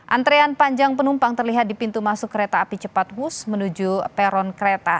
antrean panjang penumpang terlihat di pintu masuk kereta api cepat wus menuju peron kereta